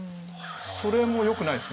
それもよくないですかね。